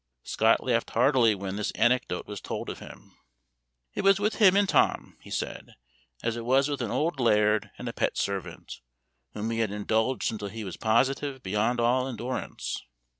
Scott laughed heartily when this anecdote was told of him. "It was with him and Tom," he said, "as it was with an old laird and a pet servant, whom he had indulged until he was positive beyond all endurance."